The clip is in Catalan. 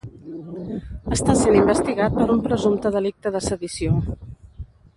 Està sent investigat per un presumpte delicte de sedició.